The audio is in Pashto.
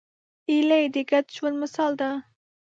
هیلۍ د ګډ ژوند مثال ده